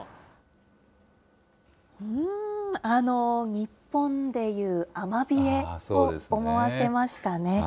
日本でいうアマビエを思わせましたね。